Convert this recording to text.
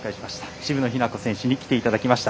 渋野日向子選手に来ていただきました。